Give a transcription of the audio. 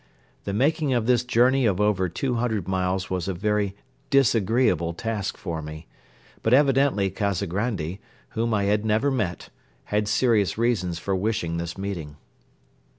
The making of this journey of over two hundred miles was a very disagreeable task for me; but evidently Kazagrandi, whom I had never met, had serious reasons for wishing this meeting.